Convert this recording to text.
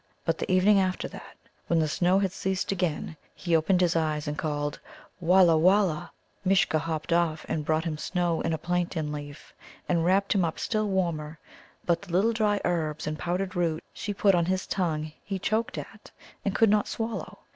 But the evening after that, when the snow had ceased again, he opened his eyes and called "Wallah, wallah!" Mishcha hopped off and brought him snow in a plantain leaf, and wrapped him up still warmer. But the little dry herbs and powdered root she put on his tongue he choked at, and could not swallow.